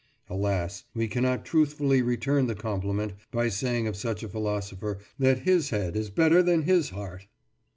Alas, we cannot truthfully return the compliment by saying of such a philosopher that his head is better than his heart!